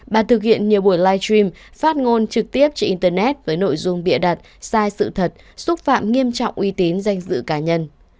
bà thực hiện nhiều buổi live stream phát ngôn trực tiếp trên internet với nội dung bịa đặt sai sự thật xúc phạm nghiêm trọng uy tín danh dự cá nhân